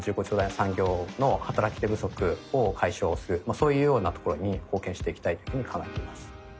そういうようなところに貢献していきたいというふうに考えています。